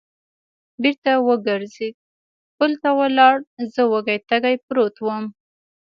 بېرته و ګرځېد، پل ته ولاړ، زه وږی تږی پروت ووم.